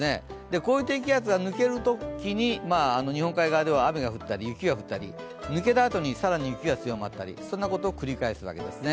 こういう低気圧が抜けるときに日本海側では雨が降ったり雪が降ったり、抜けたあとに更に雪が強まったりそんなことを繰り返すわけですね。